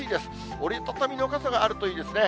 折り畳みの傘があるといいですね。